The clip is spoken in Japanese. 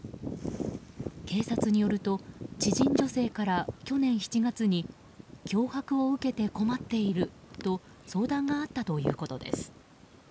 警察によると、知人女性から去年７月に脅迫を受けて困っていると相談があったということです。